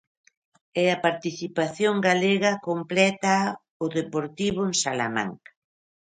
E a participación galega complétaa o Deportivo en Salamanca.